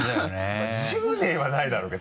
まぁ１０年はないだろうけど。